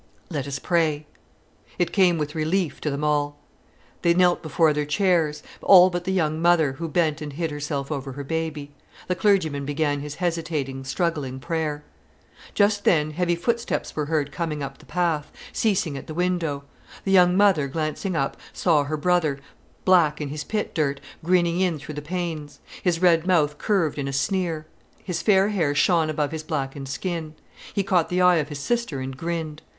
"Let us pray!" It came with relief to them all. They knelt before their chairs, all but the young mother, who bent and hid herself over her baby. The clergyman began his hesitating, struggling prayer. Just then heavy footsteps were heard coming up the path, ceasing at the window. The young mother, glancing up, saw her brother, black in his pit dirt, grinning in through the panes. His red mouth curved in a sneer; his fair hair shone above his blackened skin. He caught the eye of his sister and grinned.